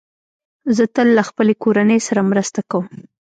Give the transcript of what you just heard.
زه تل له خپلې کورنۍ سره مرسته کوم.